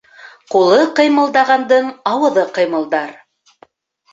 Ҡулы ҡыймылдағандың ауыҙы ҡыймылдар.